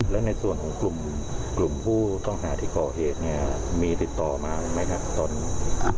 แล้วในส่วนของกลุ่มผู้ต้องหาที่ก่อเหตุเนี่ยมีติดต่อมาไหมครับตอนนี้